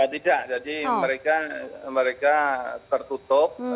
tidak jadi mereka tertutup